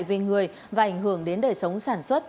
về người và ảnh hưởng đến đời sống sản xuất